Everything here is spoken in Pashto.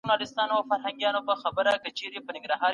د ارغنداب سیند د وچې هواء لپاره طبیعي حل دی.